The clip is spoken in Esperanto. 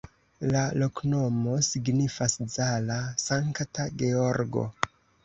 La loknomo signifas: Zala-Sankta Georgo.